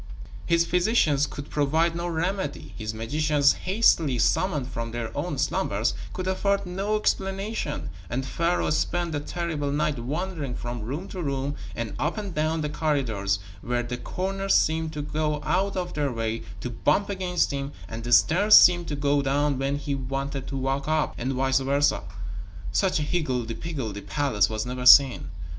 His physicians could provide no remedy, his magicians hastily summoned from their own slumbers could afford no explanation, and Pharaoh spent a terrible night wandering from room to room and up and down the corridors, where the corners seemed to go out of their way to bump against him and the stairs seemed to go down when he wanted to walk up, and vice versa. Such a higgledy piggeldy palace was never seen.